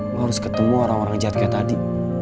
gue harus ketemu orang orang jad kayak tadi